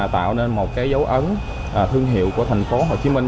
tạo nên một dấu ấn thương hiệu của thành phố hồ chí minh